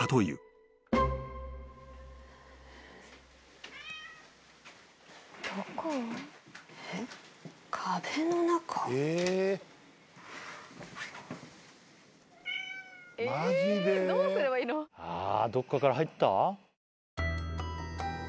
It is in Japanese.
・・どっかから入った？